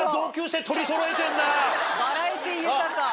バラエティー豊か。